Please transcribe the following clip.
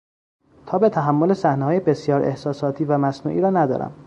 تاب تحمل صحنههای بسیار احساساتی و مصنوعی را ندارم.